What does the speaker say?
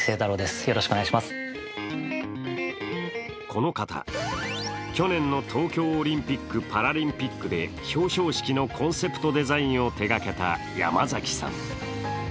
この方、去年の東京オリンピック・パラリンピックで表彰式のコンセプトデザインを手がけた山崎さん。